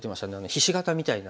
ひし形みたいな。